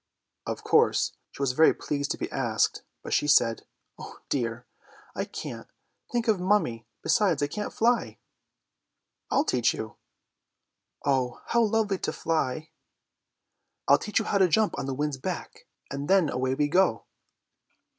Of course she was very pleased to be asked, but she said, "Oh dear, I can't. Think of mummy! Besides, I can't fly." "I'll teach you." "Oh, how lovely to fly." "I'll teach you how to jump on the wind's back, and then away we go."